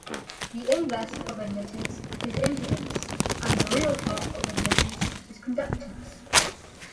The inverse of admittance is impedance, and the real part of admittance is conductance.